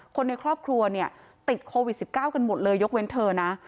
คนในครอบครัวเนี่ยติดโควิด๑๙กันหมดเลยยกเว้นเธอนะ